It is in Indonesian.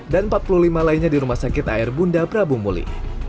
dan empat puluh lima lainnya di rumah sakit air bunda prabu muli